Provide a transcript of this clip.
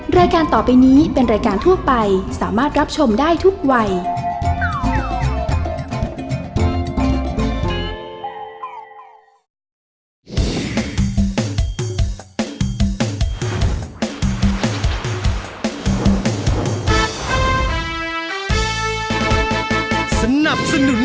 รายการต่อไปนี้เป็นรายการทั่วไปสามารถรับชมได้ทุกวัย